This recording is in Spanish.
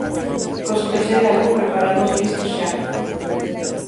Con su tercer álbum, "Preparados, listos ya!